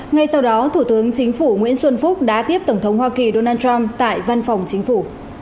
ngay sau đó thủ tướng chính phủ nguyễn xuân phúc đã tiếp tổng thống hoa kỳ donald trump tại văn phòng chính phủ